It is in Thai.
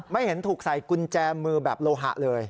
ไม่เห็นถูกใส่กุญแจมือแบบโลหะเลย